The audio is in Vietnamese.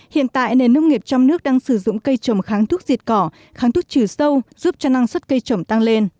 hiện tại nền nông nghiệp trong nước đang sử dụng cây trồng kháng thuốc diệt cỏ kháng thuốc trừ sâu giúp cho năng suất cây trồng tăng lên